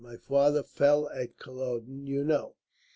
"My father fell at Culloden, you know.